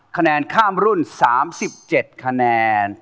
คะแนนข้ามรุ่น๓๗คะแนน